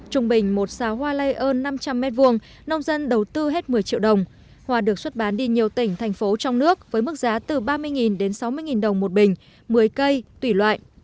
trung bình một xào hoa lây ơn năm trăm linh m hai nông dân đầu tư hết một mươi triệu đồng hoa được xuất bán đi nhiều tỉnh thành phố trong nước với mức giá từ ba mươi đến sáu mươi đồng một bình một mươi cây tủy loại